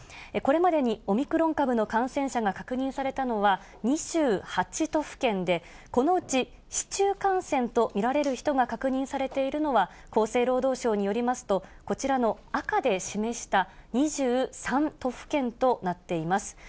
これまでにオミクロン株の感染者が確認されたのは２８都府県で、このうち市中感染と見られる人が確認されているのは、厚生労働省によりますと、こちらの赤で示した２３都府県となっています。